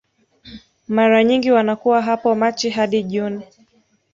Mara nyingi wanakuwa hapo Machi hadi Juni